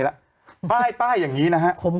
โหยวายโหยวายโหยวายโหยวายโหยวาย